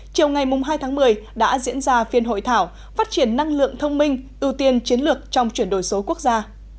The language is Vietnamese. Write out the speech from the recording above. chiều ngày hai tháng một mươi đã diễn ra phiên hội thảo phát triển năng lượng thông minh ưu tiên chiến lược trong chuyển đổi số quốc gia